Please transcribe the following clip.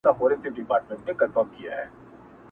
رقیبه اوس دي په محفل کي سترګي سرې ګرځوه!.